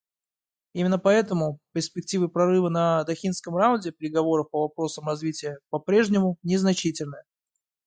Именно поэтому перспективы прорыва на Дохинском раунде переговоров по вопросам развития попрежнему незначительны.